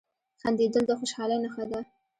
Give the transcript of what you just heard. • خندېدل د خوشحالۍ نښه ده.